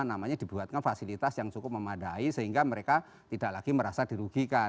namanya dibuatkan fasilitas yang cukup memadai sehingga mereka tidak lagi merasa dirugikan